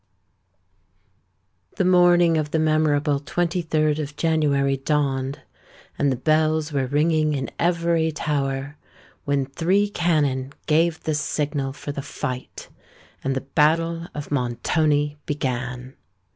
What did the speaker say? The morning of the memorable 23d of January dawned, and the bells were ringing in every tower, when three cannon gave the signal for the fight, and the battle of Montoni began.